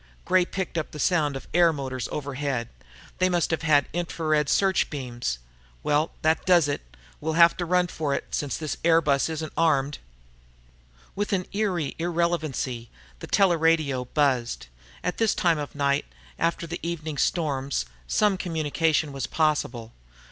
Gray picked up the sound of air motors overhead. "They must have had infra red search beams. Well, that does it. We'll have to run for it, since this bus isn't armed." With eerie irrelevancy, the teleradio buzzed. At this time of night, after the evening storms, some communication was possible.